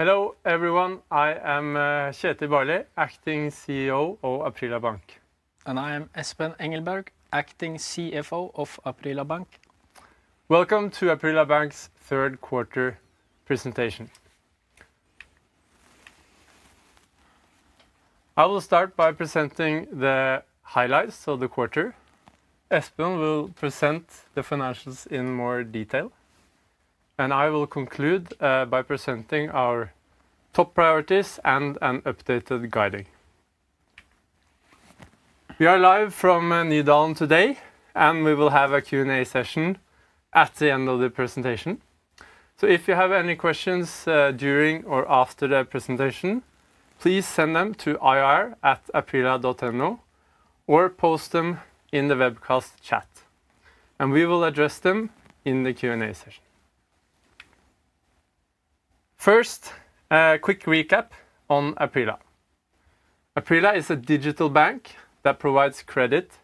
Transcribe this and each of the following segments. Hello everyone, I am Kjetil Barli, Acting CEO of Aprila Bank. I am Espen Engelberg, Acting CFO of Aprila Bank. Welcome to Aprila Bank's third quarter presentation. I will start by presenting the highlights of the quarter. Espen will present the financials in more detail, and I will conclude by presenting our top priorities and an updated guide. We are live from New Dawn today, and we will have a Q&A session at the end of the presentation. So if you have any questions during or after the presentation, please send them to ir@aprila.no or post them in the webcast chat, and we will address them in the Q&A session. First, a quick recap on Aprila. Aprila is a digital bank that provides credit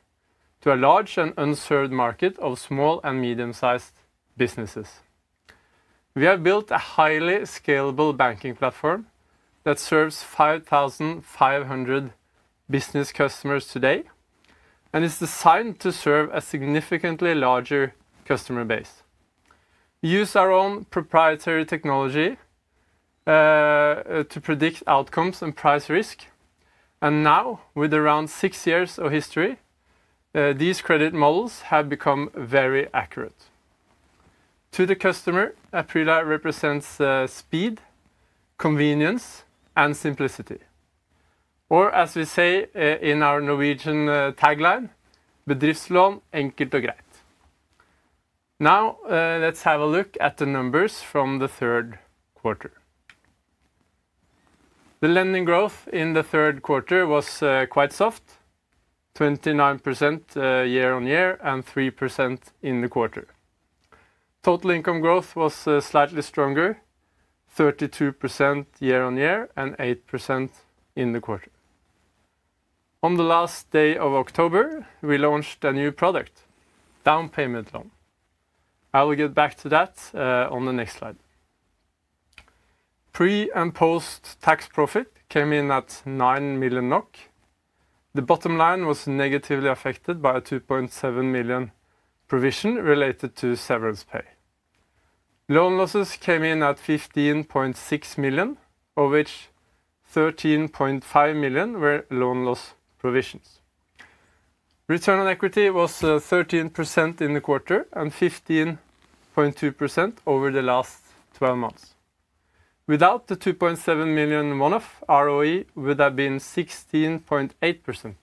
to a large and unserved market of small and medium-sized businesses. We have built a highly scalable banking platform that serves 5,500 business customers today and is designed to serve a significantly larger customer base. We use our own proprietary technology to predict outcomes and price risk, and now, with around six years of history, these credit models have become very accurate. To the customer, Aprila represents speed, convenience, and simplicity. Or as we say in our Norwegian tagline, "Bedriftslån enkelt og greit." Now let's have a look at the numbers from the third quarter. The lending growth in the third quarter was quite soft: 29% year on year and 3% in the quarter. Total income growth was slightly stronger: 32% year on year and 8% in the quarter. On the last day of October, we launched a new product: Down Payment Loan. I will get back to that on the next slide. Pre and post tax profit came in at 9 million NOK. The bottom line was negatively affected by a 2.7 million provision related to severance pay. Loan losses came in at 15.6 million, of which 13.5 million were loan loss provisions. Return on equity was 13% in the quarter and 15.2% over the last 12 months. Without the 2.7 million one-off, ROE would have been 16.8%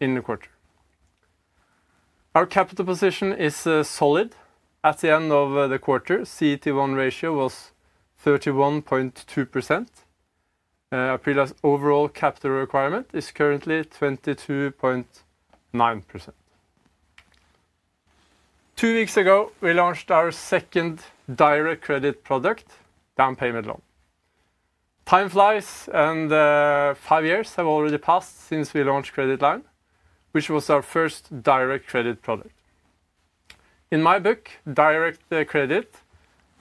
in the quarter. Our capital position is solid. At the end of the quarter, CET1 ratio was 31.2%. Aprila's overall capital requirement is currently 22.9%. Two weeks ago, we launched our second direct credit product: down payment loan. Time flies, and five years have already passed since we launched Credit Line, which was our first direct credit product. In my book, direct credit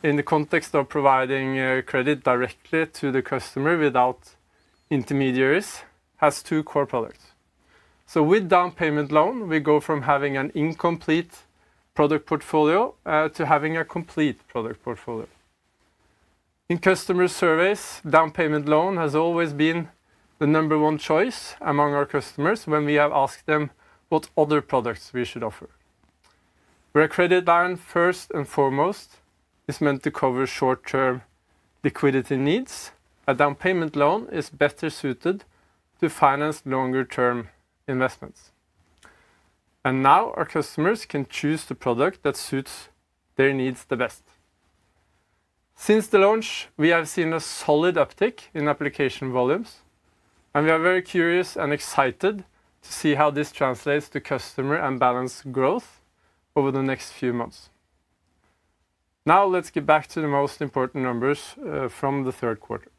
in the context of providing credit directly to the customer without intermediaries has two core products. So with down payment loan, we go from having an incomplete product portfolio to having a complete product portfolio. In customer surveys, Down Payment Loan has always been the number one choice among our customers when we have asked them what other products we should offer. Where Credit Line first and foremost is meant to cover short-term liquidity needs, a Down Payment Loan is better suited to finance longer-term investments. And now our customers can choose the product that suits their needs the best. Since the launch, we have seen a solid uptick in application volumes, and we are very curious and excited to see how this translates to customer and balance growth over the next few months. Now let's get back to the most important numbers from the third quarter.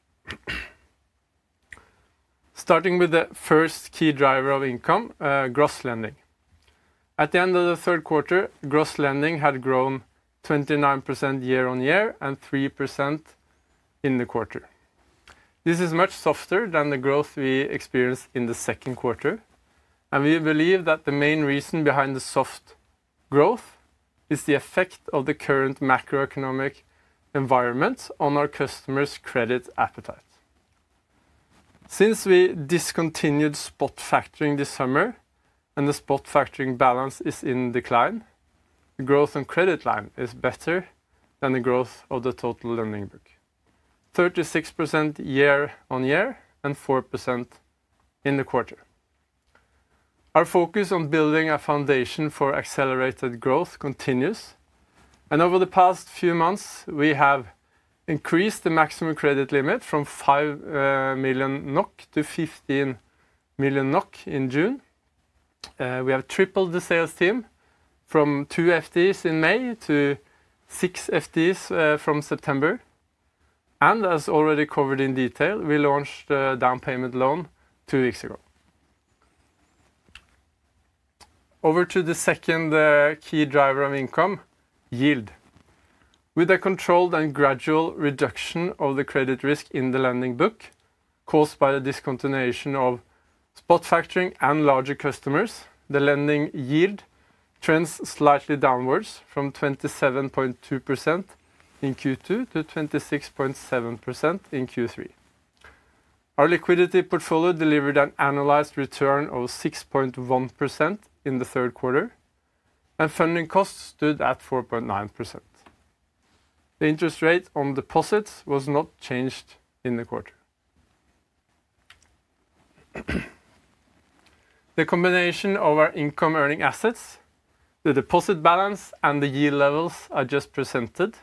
Starting with the first key driver of income, Gross lending. At the end of the third quarter, Gross lending had grown 29% year on year and 3% in the quarter. This is much softer than the growth we experienced in the second quarter, and we believe that the main reason behind the soft growth is the effect of the current macroeconomic environment on our customers' credit appetite. Since we discontinued spot factoring this summer and the spot factoring balance is in decline, the growth on Credit Line is better than the growth of the total lending book: 36% year on year and 4% in the quarter. Our focus on building a foundation for accelerated growth continues, and over the past few months, we have increased the maximum credit limit from 5 million NOK to 15 million NOK in June. We have tripled the sales team from two FTEs in May to six FTEs from September. And as already covered in detail, we launched a down payment loan two weeks ago. Over to the second key driver of income: yield. With a controlled and gradual reduction of the credit risk in the lending book caused by the discontinuation of spot factoring and larger customers, the lending yield trends slightly downwards from 27.2% in Q2 to 26.7% in Q3. Our liquidity portfolio delivered an annualized return of 6.1% in the third quarter, and funding costs stood at 4.9%. The interest rate on deposits was not changed in the quarter. The combination of our income-earning assets, the deposit balance, and the yield levels I just presented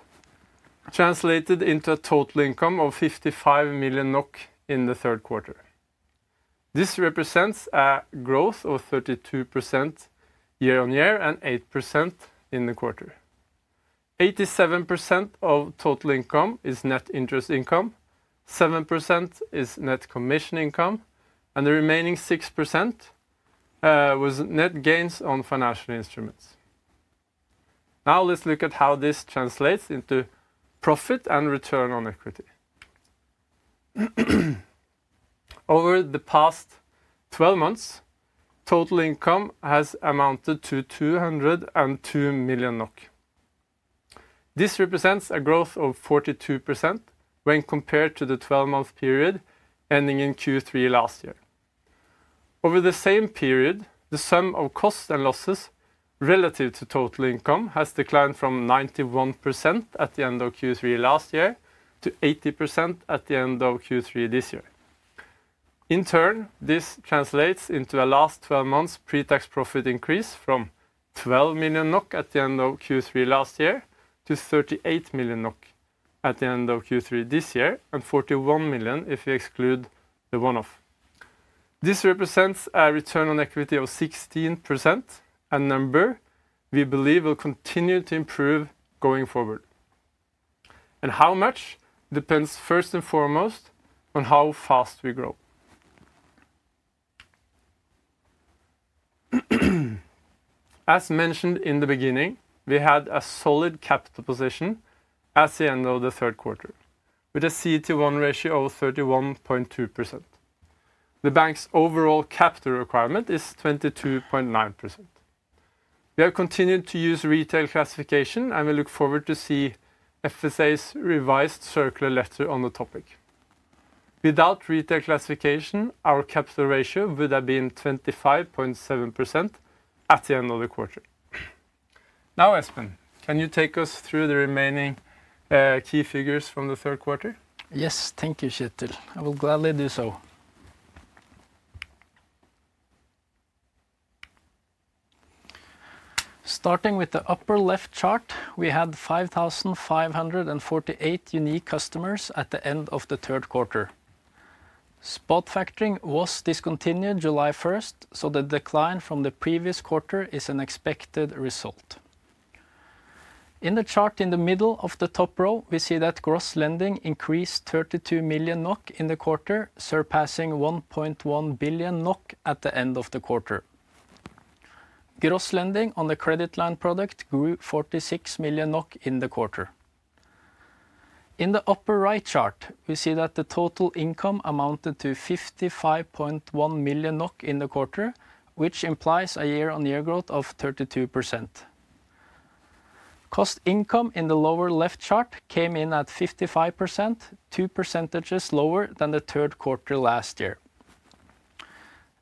translated into a total income of 55 million NOK in the third quarter. This represents a growth of 32% year on year and 8% in the quarter. 87% of total income is net interest income, 7% is net commission income, and the remaining 6% was net gains on financial instruments. Now let's look at how this translates into profit and return on equity. Over the past 12 months, total income has amounted to 202 million NOK. This represents a growth of 42% when compared to the 12-month period ending in Q3 last year. Over the same period, the sum of costs and losses relative to total income has declined from 91% at the end of Q3 last year to 80% at the end of Q3 this year. In turn, this translates into the last 12 months' pre-tax profit increase from 12 million NOK at the end of Q3 last year to 38 million NOK at the end of Q3 this year and 41 million NOK if we exclude the one-off. This represents a return on equity of 16%, a number we believe will continue to improve going forward, and how much depends first and foremost on how fast we grow. As mentioned in the beginning, we had a solid capital position at the end of the third quarter with a CET1 ratio of 31.2%. The bank's overall capital requirement is 22.9%. We have continued to use retail classification, and we look forward to seeing FSA's revised circular letter on the topic. Without retail classification, our capital ratio would have been 25.7% at the end of the quarter. Now, Espen, can you take us through the remaining key figures from the third quarter? Yes, thank you, Kjetil. I will gladly do so. Starting with the upper left chart, we had 5,548 unique customers at the end of the third quarter. Spot factoring was discontinued July 1st, so the decline from the previous quarter is an expected result. In the chart in the middle of the top row, we see that gross lending increased 32 million NOK in the quarter, surpassing 1.1 billion NOK at the end of the quarter. Gross lending on the Credit Line product grew 46 million NOK in the quarter. In the upper right chart, we see that the total income amounted to 55.1 million NOK in the quarter, which implies a year-on-year growth of 32%. Cost income in the lower left chart came in at 55%, two percentages lower than the third quarter last year.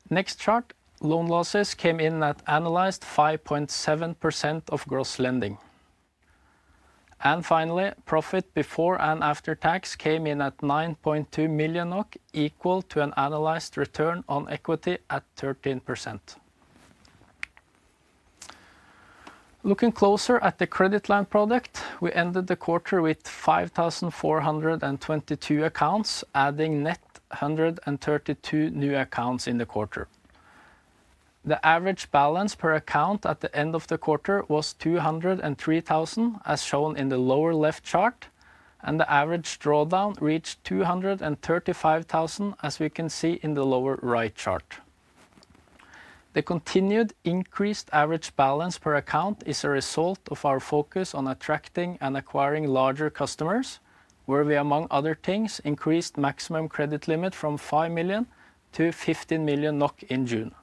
Next chart, loan losses came in at annualized 5.7% of gross lending. Finally, profit before and after tax came in at 9.2 million NOK, equal to an annualized return on equity at 13%. Looking closer at the Credit Line product, we ended the quarter with 5,422 accounts, adding net 132 new accounts in the quarter. The average balance per account at the end of the quarter was 203,000, as shown in the lower left chart, and the average drawdown reached 235,000, as we can see in the lower right chart. The continued increased average balance per account is a result of our focus on attracting and acquiring larger customers, where we, among other things, increased the maximum credit limit from 5 million to 15 million NOK in June.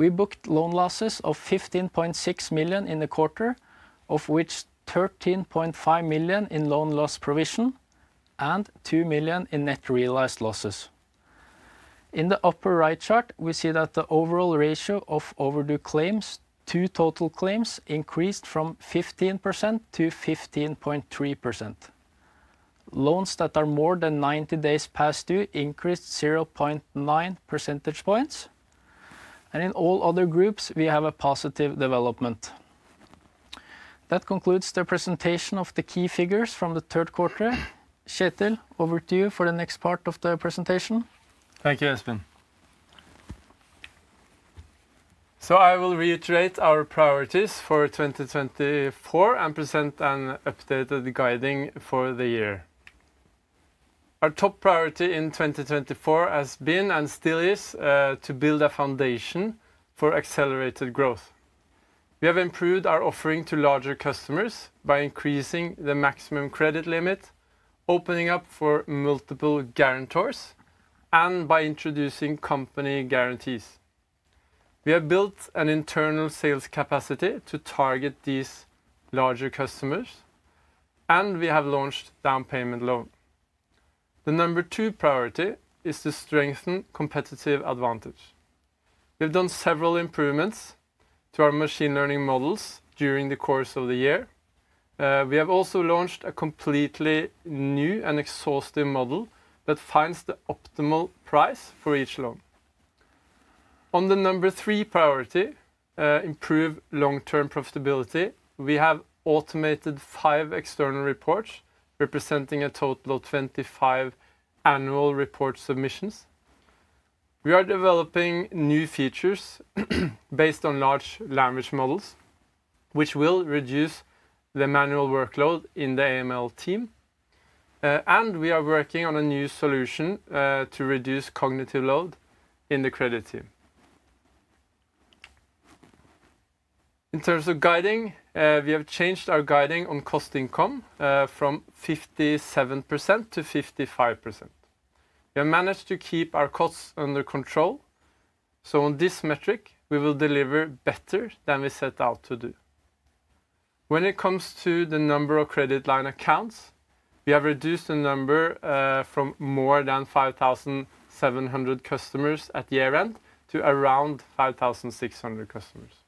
We booked loan losses of 15.6 million in the quarter, of which 13.5 million in loan loss provision and 2 million in net realized losses. In the upper right chart, we see that the overall ratio of overdue claims to total claims increased from 15% to 15.3%. Loans that are more than 90 days past due increased 0.9 percentage points, and in all other groups, we have a positive development. That concludes the presentation of the key figures from the third quarter. Kjetil, over to you for the next part of the presentation. Thank you, Espen, so I will reiterate our priorities for 2024 and present an updated guidance for the year. Our top priority in 2024 has been and still is to build a foundation for accelerated growth. We have improved our offering to larger customers by increasing the maximum credit limit, opening up for multiple guarantors, and by introducing company guarantees. We have built an internal sales capacity to target these larger customers, and we have launched down payment loan. The number two priority is to strengthen competitive advantage. We have done several improvements to our machine learning models during the course of the year. We have also launched a completely new and exhaustive model that finds the optimal price for each loan. On the number three priority, improve long-term profitability, we have automated five external reports representing a total of 25 annual report submissions. We are developing new features based on large language models, which will reduce the manual workload in the AML team. And we are working on a new solution to reduce cognitive load in the credit team. In terms of guidance, we have changed our guidance on cost income from 57% to 55%. We have managed to keep our costs under control. So on this metric, we will deliver better than we set out to do. When it comes to the number of Credit Line accounts, we have reduced the number from more than 5,700 customers at year-end to around 5,600 customers.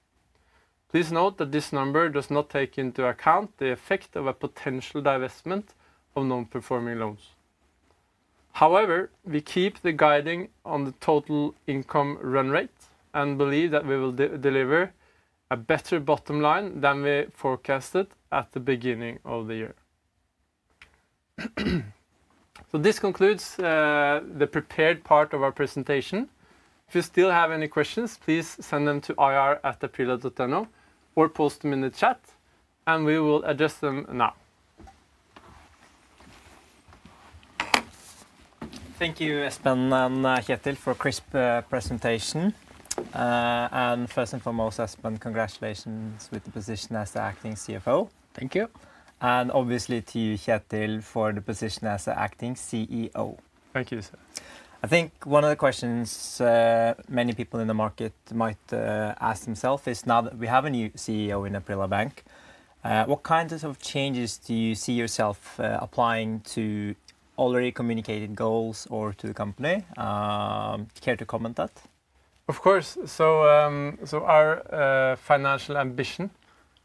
Please note that this number does not take into account the effect of a potential divestment of non-performing loans. However, we keep the guidance on the total income run rate and believe that we will deliver a better bottom line than we forecasted at the beginning of the year. So this concludes the prepared part of our presentation. If you still have any questions, please send them to ir@aprila.no or post them in the chat, and we will address them now. Thank you, Espen and Kjetil, for a crisp presentation. First and foremost, Espen, congratulations with the position as the Acting CFO. Thank you. And obviously to you, Kjetil, for the position as the Acting CEO. Thank you, sir. I think one of the questions many people in the market might ask themselves is now that we have a new CEO in Aprila Bank, what kinds of changes do you see yourself applying to already communicated goals or to the company? Care to comment that? Of course. So our financial ambition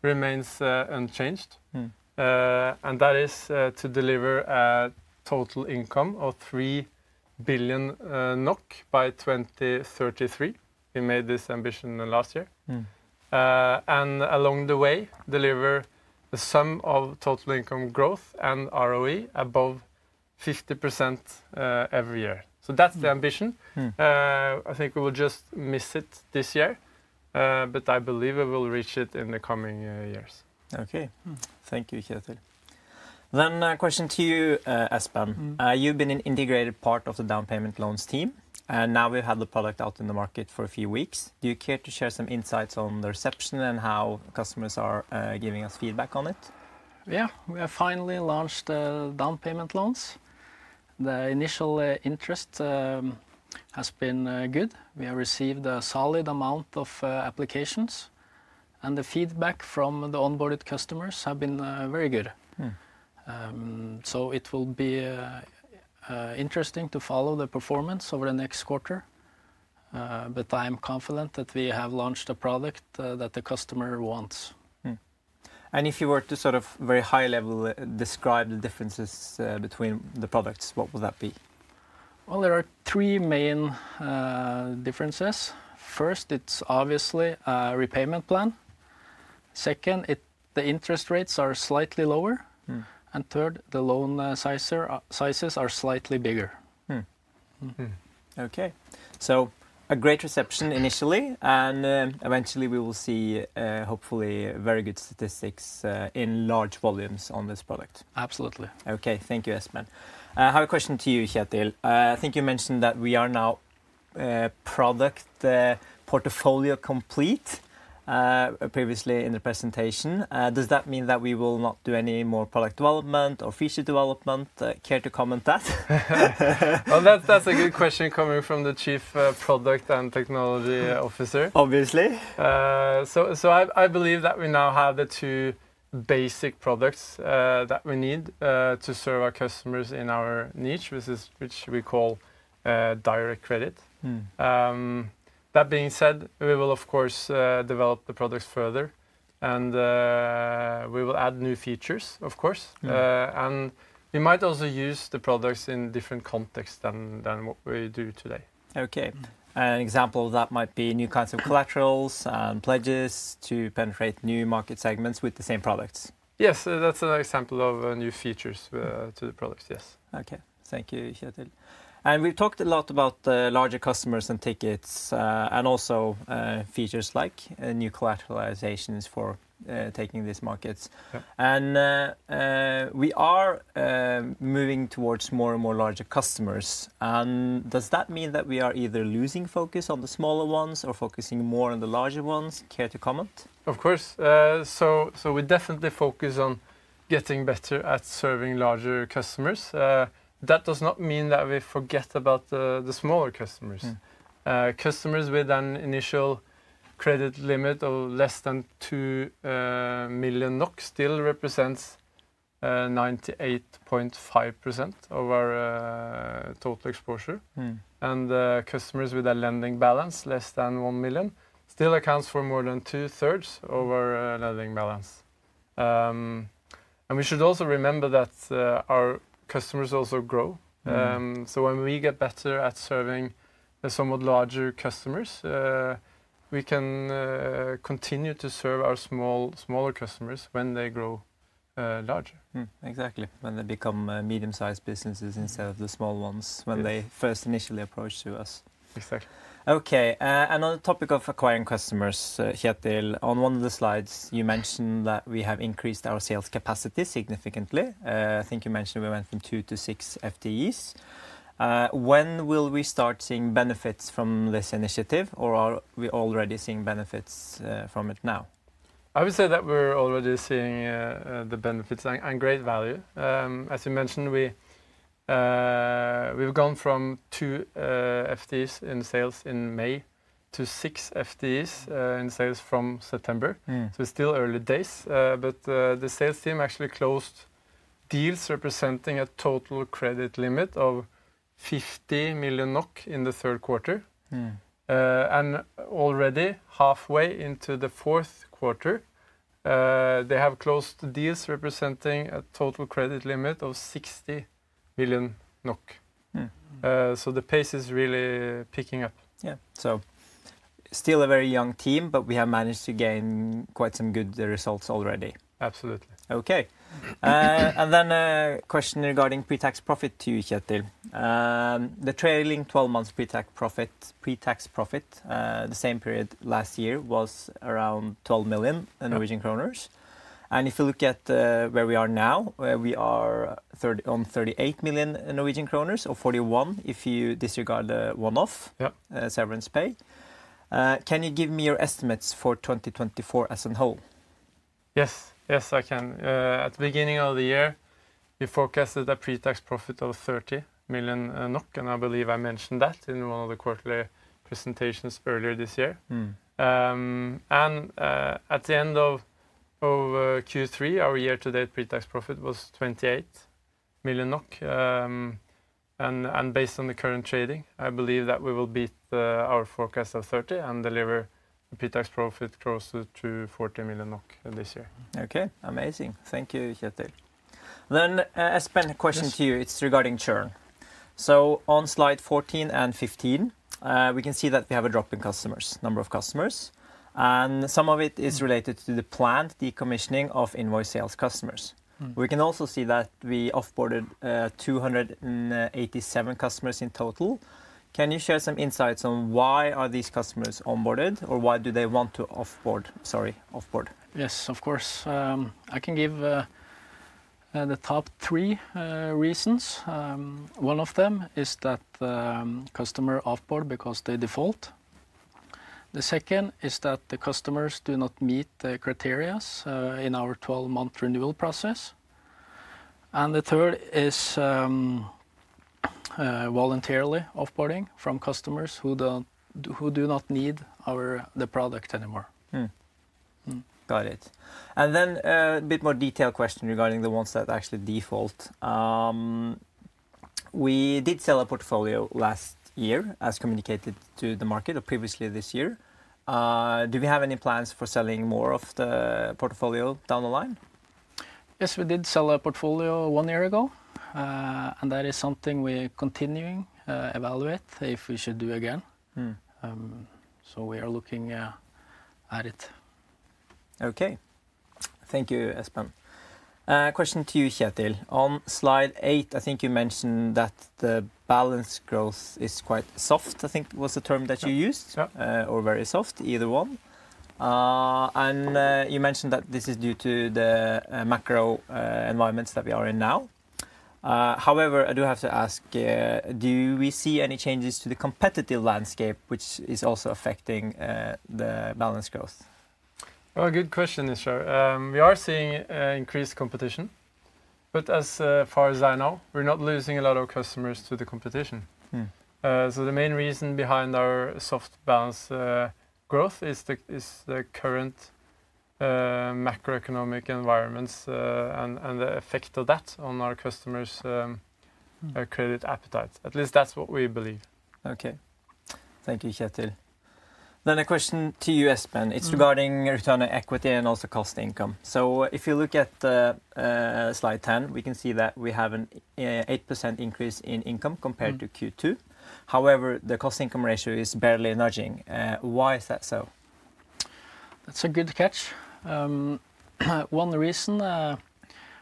remains unchanged, and that is to deliver a total income of 3 billion NOK by 2033. We made this ambition last year. previously in the presentation. Does that mean that we will not do any more product development or feature development? Care to comment that? That's a good question coming from the Chief Product and Technology Officer. Obviously. I believe that we now have the two basic products that we need to serve our customers in our niche, which we call direct credit. That being said, we will, of course, develop the products further, and we will add new features, of course. We might also use the products in different contexts than what we do today. Okay. An example of that might be new kinds of collaterals and pledges to penetrate new market segments with the same products. Yes, that's an example of new features to the products, yes. Okay. Thank you, Kjetil. And we've talked a lot about larger customers and tickets, and also features like new collateralizations for taking these markets. And we are moving towards more and more larger customers. And does that mean that we are either losing focus on the smaller ones or focusing more on the larger ones? Care to comment? Of course. So we definitely focus on getting better at serving larger customers. That does not mean that we forget about the smaller customers. Customers with an initial credit limit of less than two million NOK still represent 98.5% of our total exposure. And customers with a lending balance less than one million still accounts for more than two-thirds of our lending balance. And we should also remember that our customers also grow. So when we get better at serving the somewhat larger customers, we can continue to serve our smaller customers when they grow larger. Exactly. When they become medium-sized businesses instead of the small ones when they first initially approached us. Exactly. Okay, and on the topic of acquiring customers, Kjetil, on one of the slides, you mentioned that we have increased our sales capacity significantly. I think you mentioned we went from two to six FTEs. When will we start seeing benefits from this initiative, or are we already seeing benefits from it now? I would say that we're already seeing the benefits and great value. As you mentioned, we've gone from two FTEs in sales in May to six FTEs in sales from September. So it's still early days, but the sales team actually closed deals representing a total credit limit of 50 million NOK in the third quarter, and already halfway into the fourth quarter, they have closed deals representing a total credit limit of 60 million NOK, so the pace is really picking up. Yeah, so still a very young team, but we have managed to gain quite some good results already. Absolutely. Okay. And then a question regarding pre-tax profit to you, Kjetil. The trailing 12-month pre-tax profit, the same period last year, was around 12 million Norwegian kroner. And if you look at where we are now, we are on 38 million Norwegian kroner, or 41 if you disregard the one-off severance pay. Can you give me your estimates for 2024 as a whole? Yes. Yes, I can. At the beginning of the year, we forecasted a pre-tax profit of 30 million NOK, and I believe I mentioned that in one of the quarterly presentations earlier this year. And at the end of Q3, our year-to-date pre-tax profit was 28 million NOK. And based on the current trading, I believe that we will beat our forecast of 30 and deliver a pre-tax profit closer to 40 million NOK this year. Okay. Amazing. Thank you, Kjetil. Then Espen, a question to you. It's regarding churn. On slide 14 and 15, we can see that we have a drop in number of customers. Some of it is related to the planned decommissioning of invoice sales customers. We can also see that we offboarded 287 customers in total. Can you share some insights on why these customers are onboarded, or why do they want to offboard? Sorry, offboard. Yes, of course. I can give the top three reasons. One of them is that customers offboard because they default. The second is that the customers do not meet the criteria in our 12-month renewal process. And the third is voluntarily offboarding from customers who do not need the product anymore. Got it. And then a bit more detailed question regarding the ones that actually default. We did sell a portfolio last year, as communicated to the market, or previously this year. Do we have any plans for selling more of the portfolio down the line? Yes, we did sell a portfolio one year ago, and that is something we are continuing to evaluate if we should do again. So we are looking at it. Okay. Thank you, Espen. Question to you, Kjetil. On slide 8, I think you mentioned that the balance growth is quite soft, I think was the term that you used, or very soft, either one. And you mentioned that this is due to the macro environments that we are in now. However, I do have to ask, do we see any changes to the competitive landscape, which is also affecting the balance growth? Good question, Israr. We are seeing increased competition, but as far as I know, we're not losing a lot of customers to the competition. So the main reason behind our soft balance growth is the current macroeconomic environments and the effect of that on our customers' credit appetite. At least that's what we believe. Okay. Thank you, Kjetil. Then a question to you, Espen. It's regarding return on equity and also cost income. So if you look at slide 10, we can see that we have an 8% increase in income compared to Q2. However, the cost income ratio is barely nudging. Why is that so? That's a good catch. One reason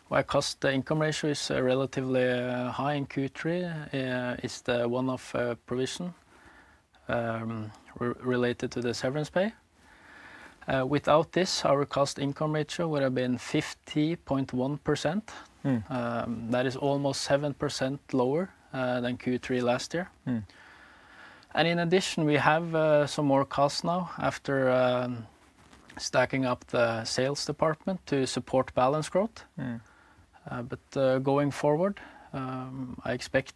why cost income ratio is relatively high in Q3 is the one-off provision related to the severance pay. Without this, our cost income ratio would have been 50.1%. That is almost 7% lower than Q3 last year, and in addition, we have some more costs now after staffing up the sales department to support balance growth, but going forward, I expect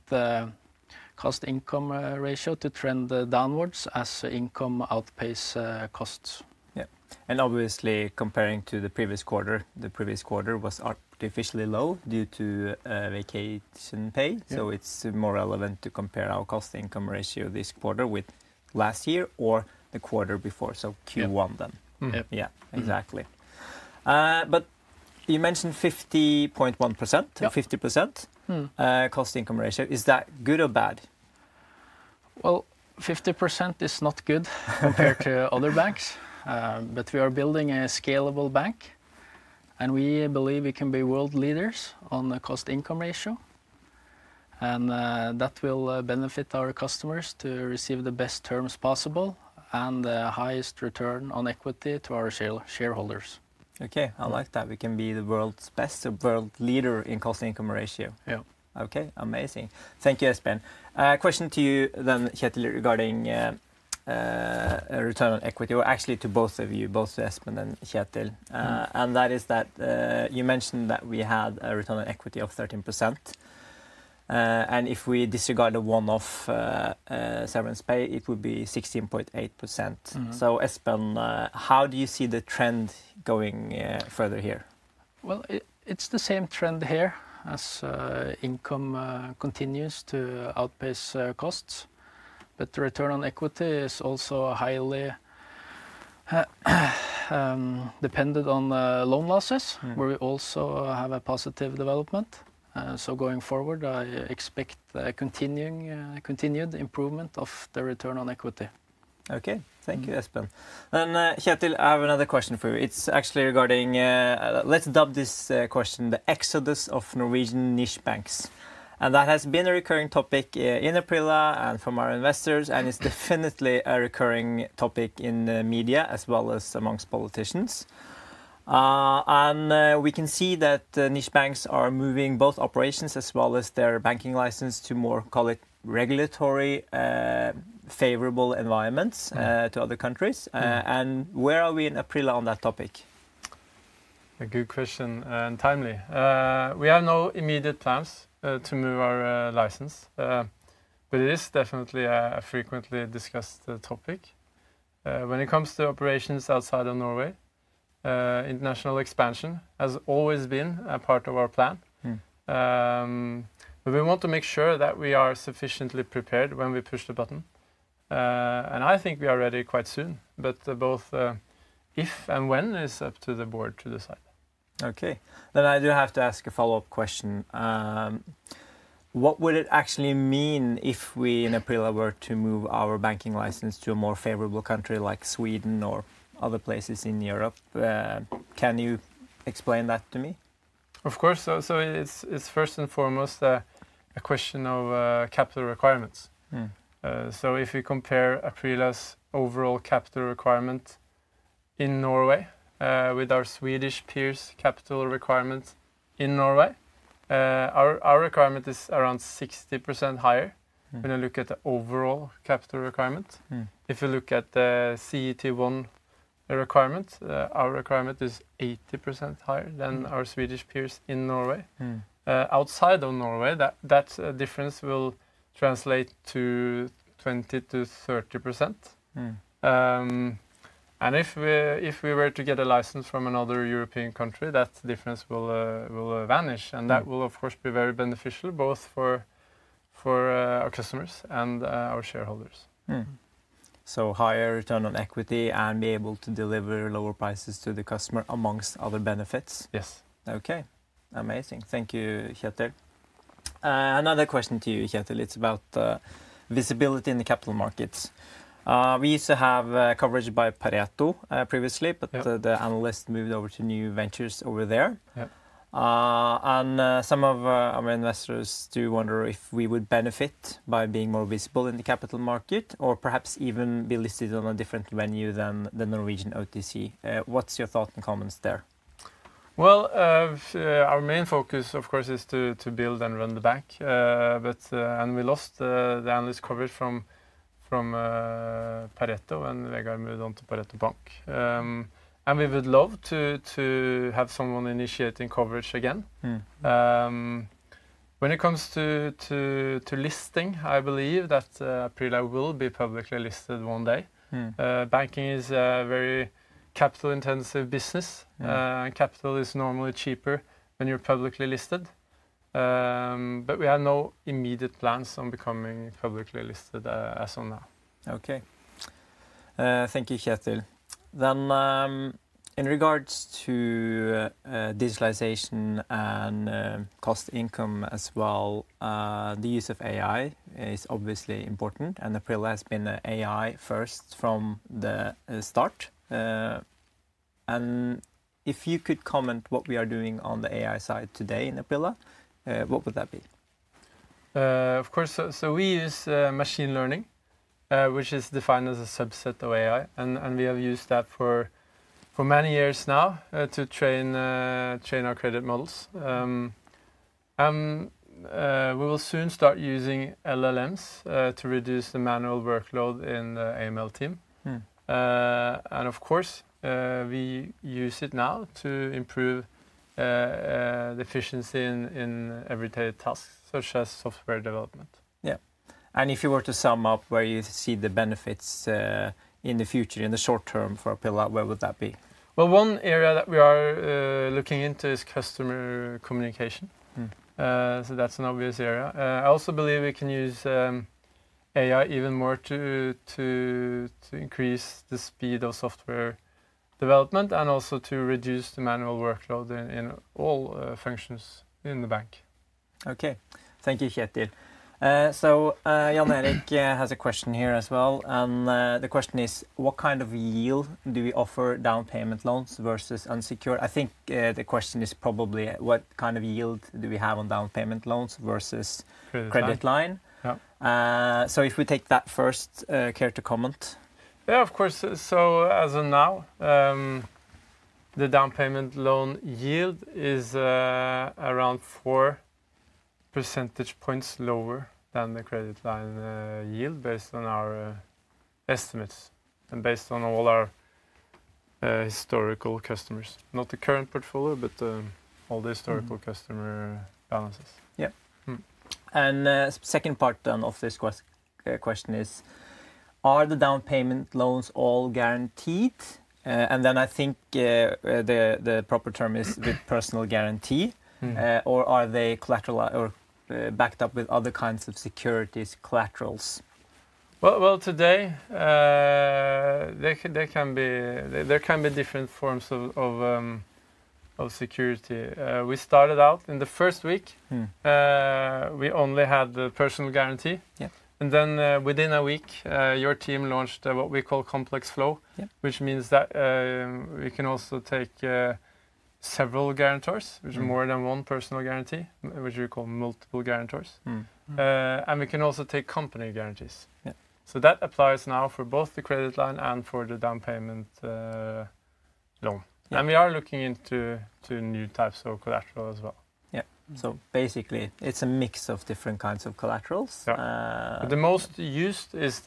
the cost income ratio to trend downward as income outpaces costs. Yeah, and obviously, comparing to the previous quarter, the previous quarter was artificially low due to vacation pay, so it's more relevant to compare our cost income ratio this quarter with last year or the quarter before, so Q1 then. Yeah, exactly, but you mentioned 50.1%, or 50% cost income ratio. Is that good or bad? 50% is not good compared to other banks, but we are building a scalable bank, and we believe we can be world leaders on the cost income ratio, and that will benefit our customers to receive the best terms possible and the highest return on equity to our shareholders. Okay. I like that. We can be the world's best, world leader in cost income ratio. Yeah. Okay. Amazing. Thank you, Espen. Question to you then, Kjetil, regarding return on equity, or actually to both of you, both to Espen and Kjetil. And that is that you mentioned that we had a return on equity of 13%. And if we disregard the one-off severance pay, it would be 16.8%. So Espen, how do you see the trend going further here? It's the same trend here as income continues to outpace costs. The return on equity is also highly dependent on loan losses, where we also have a positive development. Going forward, I expect continued improvement of the return on equity. Okay. Thank you, Espen. Then Kjetil, I have another question for you. It's actually regarding, let's dub this question, the exodus of Norwegian niche banks. And that has been a recurring topic in Aprila and from our investors, and it's definitely a recurring topic in the media as well as amongst politicians. And we can see that niche banks are moving both operations as well as their banking license to more, call it, regulatory favorable environments to other countries. And where are we in Aprila on that topic? A good question and timely. We have no immediate plans to move our license, but it is definitely a frequently discussed topic. When it comes to operations outside of Norway, international expansion has always been a part of our plan. But we want to make sure that we are sufficiently prepared when we push the button, and I think we are ready quite soon, but both if and when is up to the board to decide. Okay, then I do have to ask a follow-up question. What would it actually mean if we in Aprila were to move our banking license to a more favorable country like Sweden or other places in Europe? Can you explain that to me? Of course. So it's first and foremost a question of capital requirements. So if you compare Aprila's overall capital requirement in Norway with our Swedish peers' capital requirement in Norway, our requirement is around 60% higher when you look at the overall capital requirement. If you look at the CET1 requirement, our requirement is 80% higher than our Swedish peers in Norway. Outside of Norway, that difference will translate to 20%-30%. And if we were to get a license from another European country, that difference will vanish. And that will, of course, be very beneficial both for our customers and our shareholders. So higher return on equity and be able to deliver lower prices to the customer among other benefits. Yes. Okay. Amazing. Thank you, Kjetil. Another question to you, Kjetil. It's about visibility in the capital markets. We used to have coverage by Pareto previously, but the analyst moved over to new ventures over there. And some of our investors do wonder if we would benefit by being more visible in the capital market or perhaps even be listed on a different venue than the Norwegian OTC. What's your thoughts and comments there? Our main focus, of course, is to build and run the bank. We lost the analyst coverage from Pareto when we moved on to Pareto Bank. We would love to have someone initiating coverage again. When it comes to listing, I believe that Aprila will be publicly listed one day. Banking is a very capital-intensive business. Capital is normally cheaper when you're publicly listed. We have no immediate plans on becoming publicly listed as of now. Okay. Thank you, Kjetil. Then in regards to digitalization and cost income as well, the use of AI is obviously important. And Aprila has been AI-first from the start. And if you could comment on what we are doing on the AI side today in Aprila, what would that be? Of course. So we use machine learning, which is defined as a subset of AI. And we have used that for many years now to train our credit models. And we will soon start using LLMs to reduce the manual workload in the AML team. And of course, we use it now to improve the efficiency in everyday tasks such as software development. Yeah. And if you were to sum up where you see the benefits in the future, in the short term for Aprila, where would that be? One area that we are looking into is customer communication. So that's an obvious area. I also believe we can use AI even more to increase the speed of software development and also to reduce the manual workload in all functions in the bank. Okay. Thank you, Kjetil. So Jan-Erik has a question here as well. And the question is, what kind of yield do we offer down payment loans versus unsecured? I think the question is probably what kind of yield do we have on down payment loans versus credit line? Credit line. So if we take that first, care to comment? Yeah, of course. As of now, the down payment loan yield is around four percentage points lower than the credit line yield based on our estimates and based on all our historical customers. Not the current portfolio, but all the historical customer balances. Yeah. And the second part then of this question is, are the down payment loans all guaranteed? And then I think the proper term is with personal guarantee. Or are they backed up with other kinds of securities, collaterals? Today, there can be different forms of security. We started out in the first week. We only had the personal guarantee. And then within a week, your team launched what we call complex flow, which means that we can also take several guarantors, which are more than one personal guarantee, which we call multiple guarantors. And we can also take company guarantees. So that applies now for both the credit line and for the down payment loan. And we are looking into new types of collateral as well. Yeah, so basically, it's a mix of different kinds of collaterals. The most used is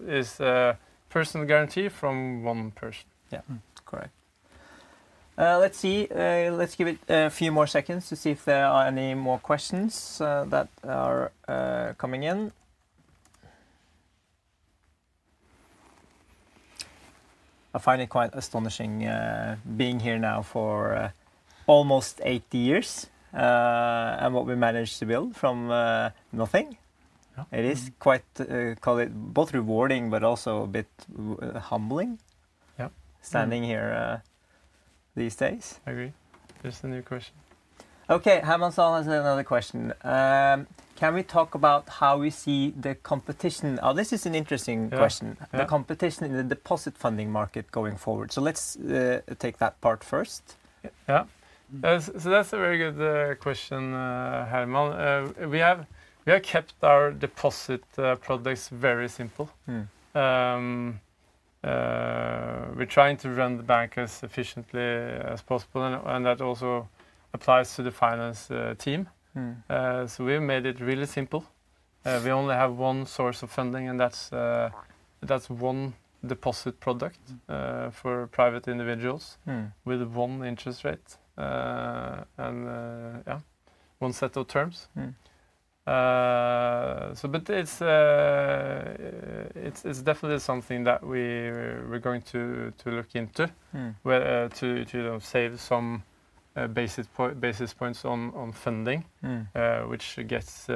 personal guarantee from one person. Yeah. Correct. Let's see. Let's give it a few more seconds to see if there are any more questions that are coming in. I find it quite astonishing being here now for almost eight years and what we managed to build from nothing. It is quite, call it, both rewarding, but also a bit humbling standing here these days. Agreed. There's a new question. Okay. Herman Sal has another question. Can we talk about how we see the competition? Oh, this is an interesting question. The competition in the deposit funding market going forward. So let's take that part first. Yeah. So that's a very good question, Herman. We have kept our deposit products very simple. We're trying to run the bank as efficiently as possible. And that also applies to the finance team. So we have made it really simple. We only have one source of funding, and that's one deposit product for private individuals with one interest rate and, yeah, one set of terms. But it's definitely something that we're going to look into to save some basis points on funding, which gets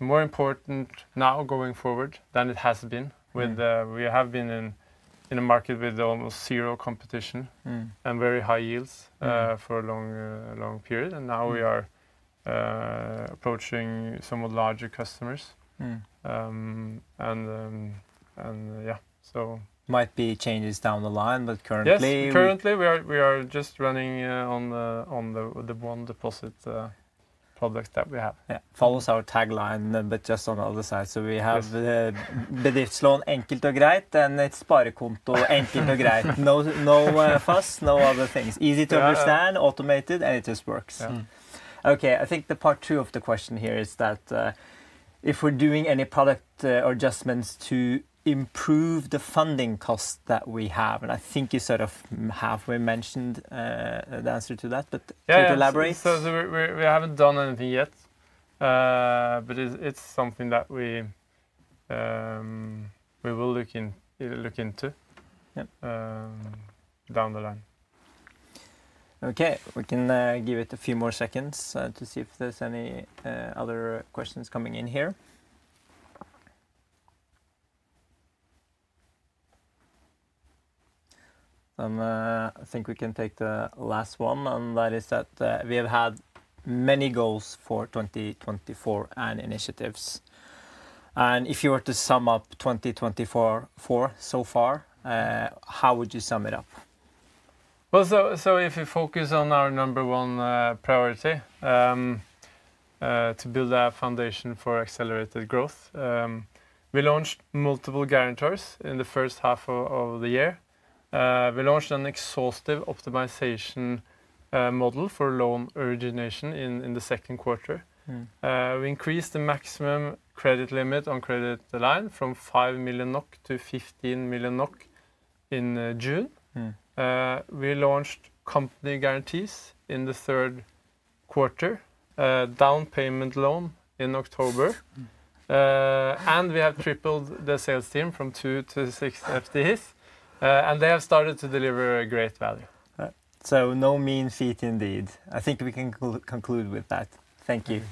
more important now going forward than it has been with we have been in a market with almost zero competition and very high yields for a long period. And now we are approaching some of the larger customers. And yeah, so. Might be changes down the line, but currently. Yes. Currently, we are just running on the one deposit product that we have. Yeah. Follows our tagline, but just on the other side. So we have the. Bedriftslån. Bedriftslån, enkelt og greit, and it's sparekonto, enkelt og greit. No fuss, no other things. Easy to understand, automated, and it just works. Okay. I think the part two of the question here is that if we're doing any product adjustments to improve the funding cost that we have, and I think you sort of have mentioned the answer to that, but could you elaborate? Yeah. So we haven't done anything yet, but it's something that we will look into down the line. Okay. We can give it a few more seconds to see if there's any other questions coming in here. Then I think we can take the last one, and that is that we have had many goals for 2024 and initiatives, and if you were to sum up 2024 so far, how would you sum it up? If you focus on our number one priority to build a foundation for accelerated growth, we launched multiple guarantors in the first half of the year. We launched an exhaustive optimization model for loan origination in the second quarter. We increased the maximum credit limit on credit line from 5 million NOK to 15 million NOK in June. We launched company guarantees in the third quarter, down payment loan in October. We have tripled the sales team from two to six FTEs. They have started to deliver a great value. So no mean feat indeed. I think we can conclude with that. Thank you.